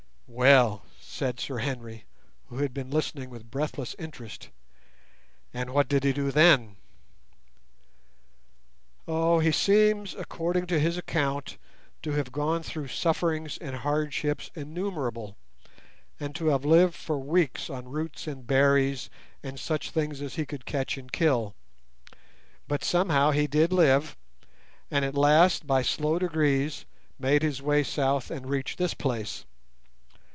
"Well," said Sir Henry, who had been listening with breathless interest, "and what did he do then?" "Oh! he seems, according to his account, to have gone through sufferings and hardships innumerable, and to have lived for weeks on roots and berries, and such things as he could catch and kill. But somehow he did live, and at last by slow degrees made his way south and reached this place.